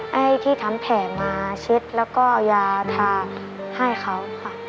ให้ที่ทำแผลมาเช็ดแล้วก็เอายาทาให้เขาค่ะ